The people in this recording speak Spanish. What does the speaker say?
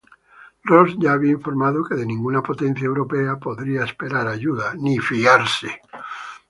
Ross ya había informado que de ninguna potencia europea podría esperar ayuda.